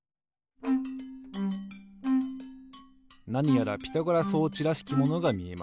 なにやらピタゴラ装置らしきものがみえます。